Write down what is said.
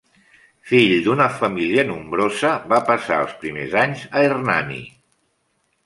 Fill d'una família nombrosa, va passar els primers anys a Hernani.